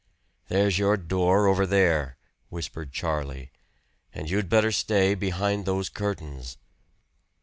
"There's your door over there," whispered Charlie. "And you'd better stay behind those curtains."